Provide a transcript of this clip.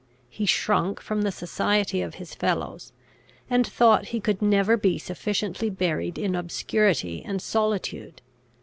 He shrunk from the society of his fellows, and thought he could never be sufficiently buried in obscurity and solitude.